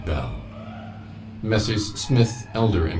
BELL." MESSRS. SMITH, ELDER, AND CO.